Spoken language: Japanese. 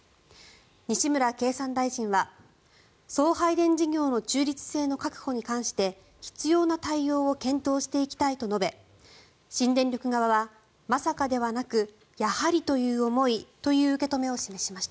西村経産大臣は送配電事業の中立性の確保について必要な対応を検討していきたいと述べ新電力側は、まさかではなくやはりという思いという受け止めを示しました。